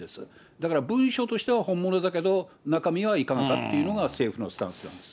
だから、文書としては本物だけれども、中身はいいかげんだというのが政府のスタンスなんです。